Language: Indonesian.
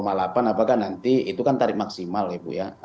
apakah nanti itu kan tarif maksimal ya bu ya